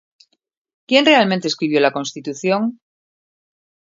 ¿Quién realmente escribió la Constitución?